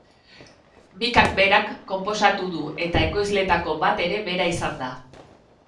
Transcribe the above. Mikak berak konposatu du eta ekoizleetako bat ere bera izan da.